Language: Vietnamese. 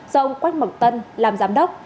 do ông quách mậu tân làm giám đốc